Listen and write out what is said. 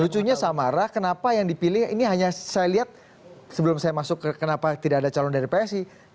lucunya samara kenapa yang dipilih ini hanya saya lihat sebelum saya masuk kenapa tidak ada calon dari psi